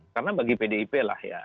karena bagi pdip lah ya